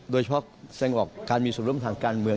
โดยเฉพาะแสดงออกการมีส่วนร่วมทางการเมือง